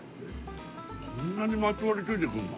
こんなにまとわりついてくんの？